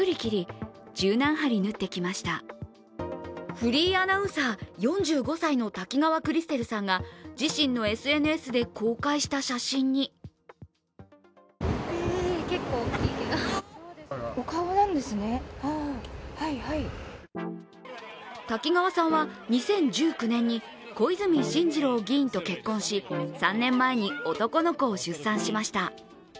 フリーアナウンサー、４５歳の滝川クリステルさんが自身のＳＮＳで公開した写真に滝川さんは２０１９年に小泉進次郎議員と結婚し３年前に男の子を出産しました。